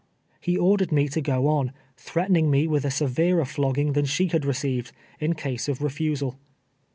lie ordered me to go on, threatening me with a severer flogging than she had received, in case of refusal.